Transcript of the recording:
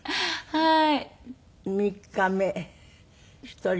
はい。